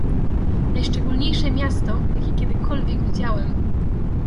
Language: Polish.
"Najszczególniejsze miasto, jakie kiedykolwiek widziałem!"